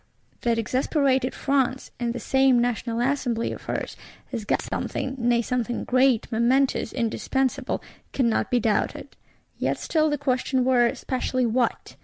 That exasperated France, in this same National Assembly of hers, has got something, nay something great, momentous, indispensable, cannot be doubted; yet still the question were: Specially _what?